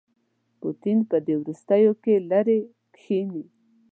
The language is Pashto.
پوټین په دې وروستیوکې لیرې کښيني.